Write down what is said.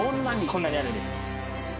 こんなにあるんです。